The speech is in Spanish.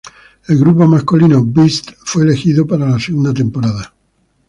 El grupo masculino Beast fue elegido para la segunda temporada.